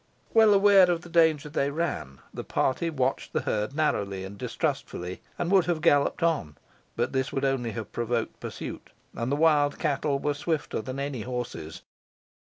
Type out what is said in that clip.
Well aware of the danger they ran, the party watched the herd narrowly and distrustfully, and would have galloped on; but this would only have provoked pursuit, and the wild cattle were swifter than any horses.